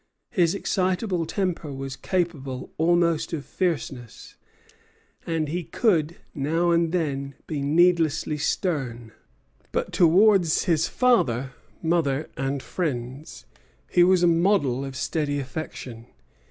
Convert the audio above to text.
His excitable temper was capable almost of fierceness, and he could now and then be needlessly stern; but towards his father, mother, and friends he was a model of steady affection.